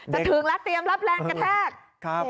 ถึงแล้วเตรียมรับแรงกระแทก